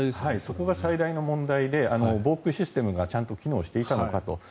そこが最大の問題で防空システムがちゃんと機能していたのかと。